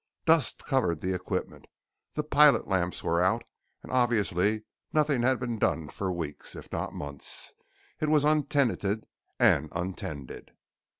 Dust covered the equipment, the pilot lamps were out, and obviously nothing had been done for weeks, if not months. It was untenanted and untended.